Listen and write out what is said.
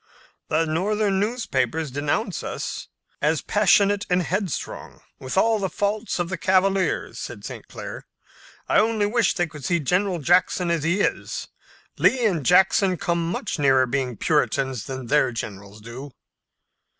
"The Northern newspapers denounce us as passionate and headstrong, with all the faults of the cavaliers," said St. Clair. "I only wish they could see General Jackson as he is. Lee and Jackson come much nearer being Puritans than their generals do."